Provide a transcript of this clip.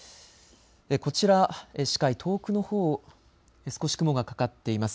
こちら視界遠くのほう、少し雲がかかっています。